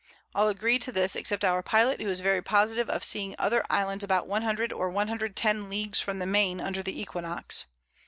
All agree to this except our Pilot, who is very positive of seeing other Islands about 100 or 110 Leagues from the Main under the Equinox.